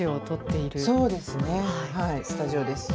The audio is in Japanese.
スタジオです。